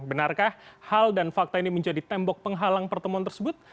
benarkah hal dan fakta ini menjadi tembok penghalang pertemuan tersebut